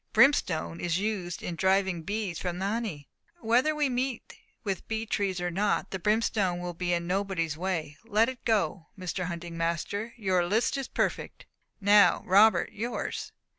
"Brimstone is used in driving bees from the honey." "Whether we meet with bee trees or not, the brimstone will be in nobody's way; let it go. Mr. Hunting master your list is perfect. Now Robert, yours."